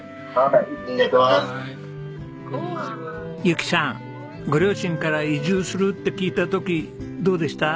侑希さんご両親から移住するって聞いた時どうでした？